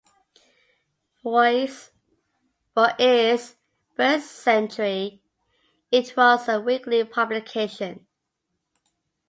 For its first century, it was a weekly publication.